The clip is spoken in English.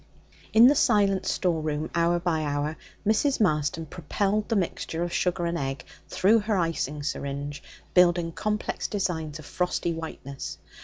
In the silent store room, hour by hour, Mrs. Marston propelled the mixture of sugar and egg through her icing syringe, building complex designs of frosty whiteness.